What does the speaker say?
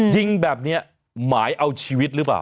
ยิงแบบนี้หมายเอาชีวิตหรือเปล่า